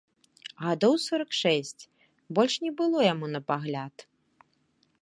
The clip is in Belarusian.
Гадоў сорак шэсць, больш не было яму на пагляд.